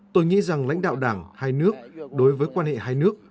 tôi nghĩ rằng lãnh đạo đảng hai nước đối với quan hệ hai nước